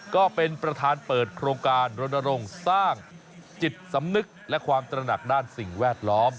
ก็เป็นประธานเปิดโครงการรณรงค์สร้างจิตสำนึกและความตระหนักด้านสิ่งแวดล้อม